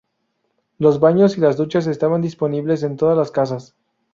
Los baños y las duchas estaban disponibles en todas las casas.